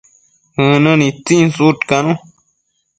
ënë nitsin sudcanun